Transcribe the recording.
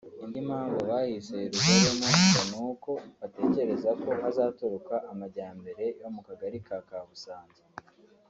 Indi mpamvu bahise Yeruzaremu ngo ni uko batekereza ko hazaturuka amajyambere yo mu Kagari ka Kabusanza